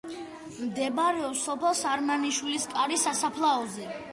მდებარეობს სოფელ სარმანიშვილისკარის სასაფლაოზე.